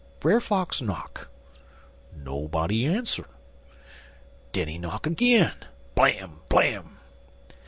Brer Fox knock. Nobody ans'er. Den he knock agin blam! blam!